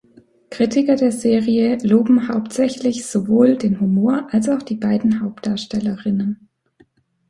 Kritiker der Serie loben hauptsächlich sowohl den Humor als auch die beiden Hauptdarstellerinnen.